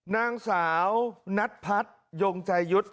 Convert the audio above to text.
นางสาวนัทพัฒนยงใจยุทธ์